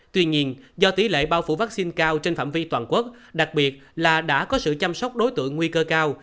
tuy nhiên do tỷ lệ bao phủ vaccine cao trên phạm vi toàn quốc đặc biệt là đã có sự chăm sóc đối tượng nguy cơ cao